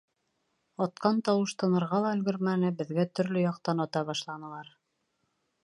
Атҡан тауыш тынырға ла өлгөрмәне, беҙгә төрлө яҡтан ата башланылар.